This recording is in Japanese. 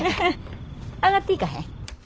上がっていかへん？